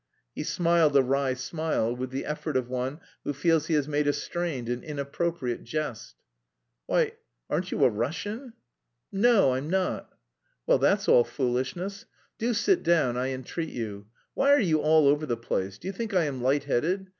He smiled a wry smile with the effort of one who feels he has made a strained and inappropriate jest. "Why, aren't you a Russian?" "No, I'm not." "Well, that's all foolishness. Do sit down, I entreat you. Why are you all over the place? Do you think I am lightheaded?